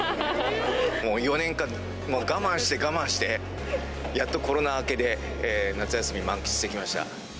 もう４年間、我慢して我慢して、やっとコロナ明けで夏休み、満喫できました。